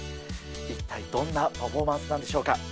一体どんなパフォーマンスなんでしょうか。